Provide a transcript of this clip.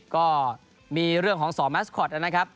ก็มีเรื่องของสอแมสคอตนะครับ